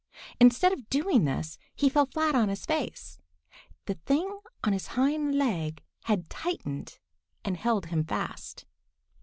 Instead of doing this, he fell flat on his face. The thing on his hind leg had tightened and held him fast.